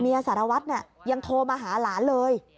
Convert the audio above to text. เมียสารวัสยังโทรมาหาหลานเลย